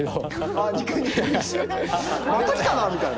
また来たなみたいな。